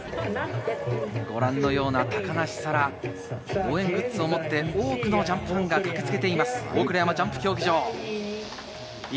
ご覧のように高梨沙羅、応援グッズを持って、多くのジャンプファンが駆けつけています、大倉山ジャンプ競技場。